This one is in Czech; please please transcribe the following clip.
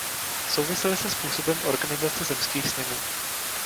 Souvisely se způsobem organizace zemských sněmů.